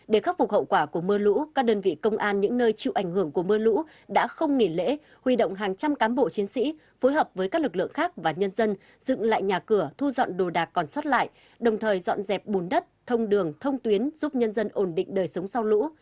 để khắc phục hậu quả của mưa lũ các đơn vị công an những nơi chịu ảnh hưởng của mưa lũ đã không nghỉ lễ huy động hàng trăm cán bộ chiến sĩ phối hợp với các lực lượng khác và nhân dân dựng lại nhà cửa thu dọn đồ đạc còn xót lại đồng thời dọn dẹp bùn đất thông đường thông tuyến giúp nhân dân ổn định đời sống sau lũ